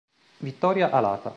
Vittoria alata